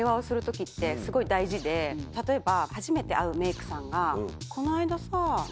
例えば。